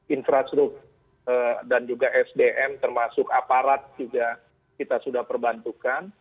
infrastruktur dan juga sdm termasuk aparat juga kita sudah perbantukan